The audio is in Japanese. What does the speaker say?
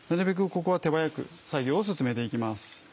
ここは手早く作業を進めて行きます。